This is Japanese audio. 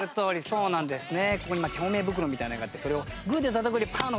そうなんですね。